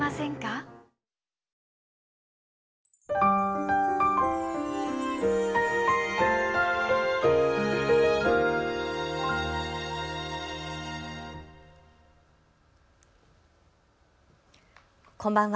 こんばんは。